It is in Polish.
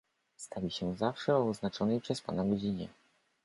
"Stawi się zawsze o oznaczonej przez pana godzinie."